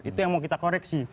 itu yang mau kita koreksi